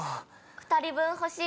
２人分欲しい。